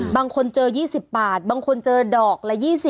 บางคนเจอ๒๐บาทบางคนเจอดอกละ๒๐